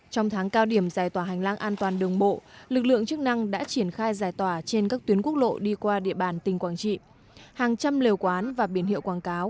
trong tháng cao điểm giải tỏa hành lang an toàn đường bộ lực lượng chức năng đã triển khai giải tỏa trên các tuyến quốc lộ đi qua địa bàn huyện vĩnh linh tỉnh quảng trị